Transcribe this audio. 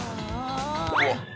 うわっ。